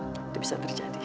itu bisa terjadi